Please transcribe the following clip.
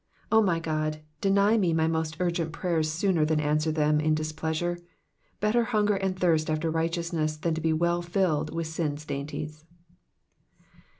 O my God, deny me my most urgent prayers sooner than answer them in displeasure. Better hunger and thirst after righteousness than to be well filled with sin's dainties.